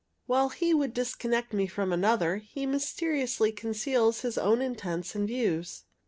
While he would disconnect me from another, he mysteriously conceals his own intentions and views.